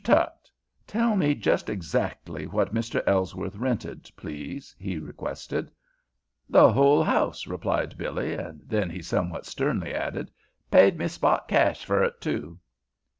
Tutt, tell me just exactly what Mr. Ellsworth rented, please," he requested. "Th' hull house," replied Billy, and then he somewhat sternly added: "Paid me spot cash fer it, too."